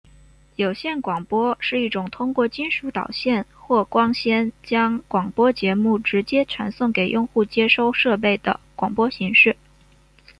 有线广播是一种通过金属导线或光纤将广播节目直接传送给用户接收设备的广播形式。